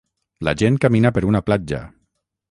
La gent camina per una platja.